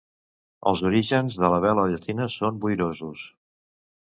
Els orígens de la vela llatina són boirosos.